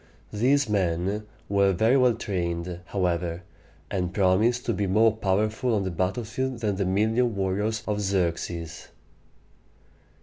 These men were very well trained, however, and promised to be more powerful on the battlefield than the million warriors of Xerxes.